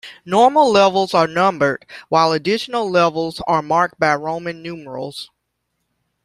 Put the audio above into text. Normal levels are numbered, while additional levels are marked by Roman numerals.